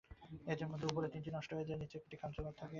এদের মধ্যে ওপরের তিনটি নষ্ট হয়ে যায় এবং নিচেরটি কার্যকরী থাকে।